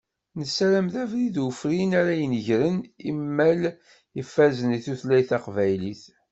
Nessaram d abrid ufrin ara ineǧren imal ifazen i tutlayt taqbaylit.